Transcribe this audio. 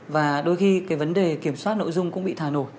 và đôi khi cái vấn đề kiểm soát nội dung cũng bị thả nổi